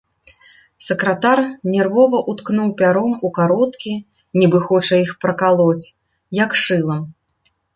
Сакратар нервова ўткнуў пяром у кароткі, нібы хоча іх пракалоць, як шылам.